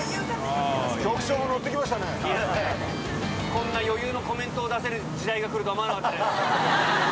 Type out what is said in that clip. こんな余裕のコメントを出せる時代が来るとは思わなかったです。